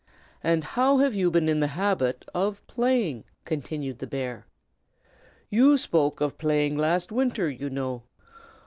"And how have you been in the habit of playing?" continued the bear. "You spoke of playing last winter, you know.